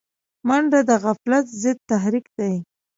منډه د غفلت ضد تحرک دی